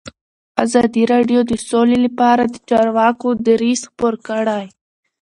ازادي راډیو د سوله لپاره د چارواکو دریځ خپور کړی.